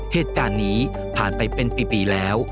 เหตุการณ์นี้ผ่านไปเป็นปีแล้ว